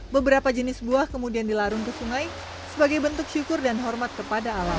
beberapa jenis buah kemudian dilarun ke sungai sebagai bentuk syukur dan hormat kepada alam